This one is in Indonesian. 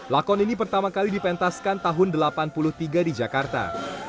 lakon ini pertama kali dipentaskan tahun seribu sembilan ratus delapan puluh tiga di jakarta